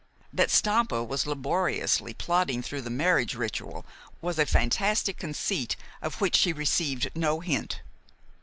That Stampa was laboriously plodding through the marriage ritual was a fantastic conceit of which she received no hint.